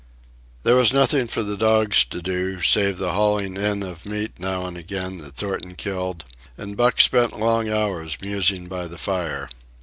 There was nothing for the dogs to do, save the hauling in of meat now and again that Thornton killed, and Buck spent long hours musing by the fire.